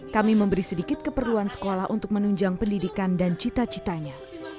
kami memberi sedikit keperluan sekolah untuk menunjang pendidikan dan cita citanya